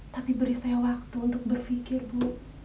tapi beri saya waktu untuk berpikir bu